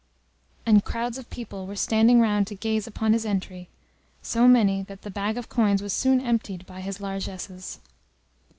and crowds of people were standing round to gaze upon his entry, so many that the bag of coins was soon emptied by his largesses.